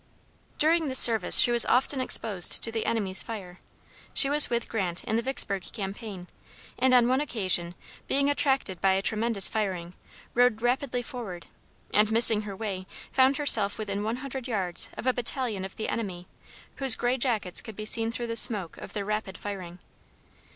During this service she was often exposed to the enemy's fire. She was with Grant in the Vicksburg campaign, and on one occasion; being attracted by a tremendous firing, rode rapidly forward, and missing her way found herself within one hundred yards of a battalion of the enemy, whose gray jackets could be seen through the smoke of their rapid firing.